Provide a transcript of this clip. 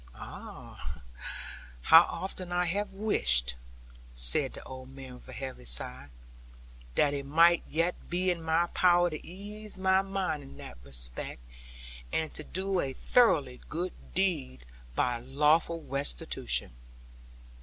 'Ah, how often I have wished,' said the old man with a heavy sigh, 'that it might yet be in my power to ease my mind in that respect, and to do a thoroughly good deed by lawful restitution.'